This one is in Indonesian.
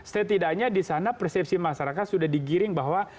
setidaknya di sana persepsi masyarakat sudah digiring bahwa